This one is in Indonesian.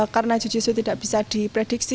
karena jujitsu tidak bisa diprediksi